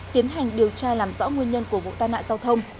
tiến hành điều tra làm rõ nguyên nhân của vụ tai nạn giao thông